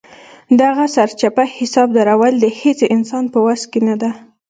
دغه سرچپه حساب درول د هېڅ انسان په وس کې نه ده.